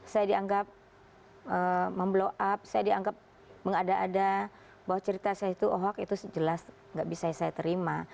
saya dianggap memblow up saya dianggap mengada ada bahwa cerita saya itu hoak itu jelas nggak bisa saya terima